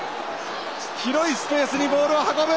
広いスペースにボールを運ぶ！